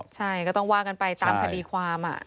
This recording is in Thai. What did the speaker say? ใช่ก็ต้องว่ากันไปตามคดีความ